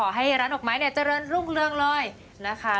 แล้วก็ขอให้ร้านดอกไม้เนี่ยเจริญรุ่งเรืองรอยนะคะ